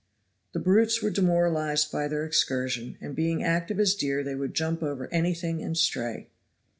The brutes were demoralized by their excursion, and being active as deer they would jump over anything and stray.